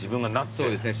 そうですね